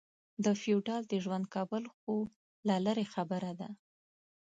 د فېوډال د ژوند کول خو لا لرې خبره ده.